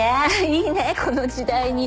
いいねこの時代に。